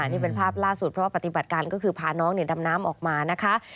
นี่เป็นภาพล่าสุดเพราะว่าปฏิบัติการก็คือพาน้องดำน้ำออกมานะคะ